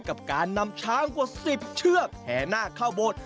กับการนำช้างกว่า๑๐เชือกแห่หน้าเข้าโบสถ์